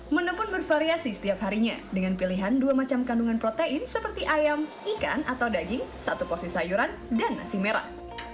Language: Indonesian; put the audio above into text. mene pun bervariasi setiap harinya dengan pilihan dua macam kandungan protein seperti ayam ikan atau daging satu porsi sayuran dan nasi merah